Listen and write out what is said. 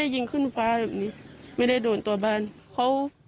ยิงเข้ามาโดนบ้านหรือ